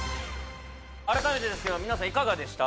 改めてですけど皆さんいかがでした？